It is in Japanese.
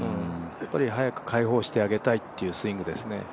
早く解放してあげたいというスイングですね。